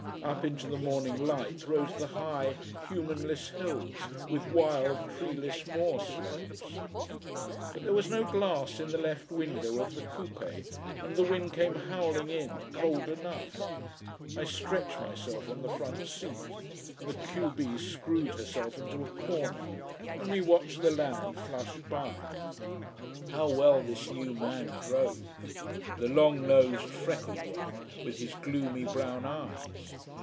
Up into the morning light rose the high, humanless hills, with wild, treeless moor slopes. But there was no glass in the left window of the coupé, and the wind came howling in, cold enough. I stretched myself on the front seat, the q b screwed herself into a corner, and we watched the land flash by. How well this new man drove! the long nosed, freckled one with his gloomy brown eyes.